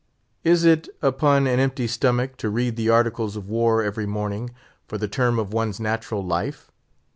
Is it, upon an empty stomach, to read the Articles of War every morning, for the term of one's natural life?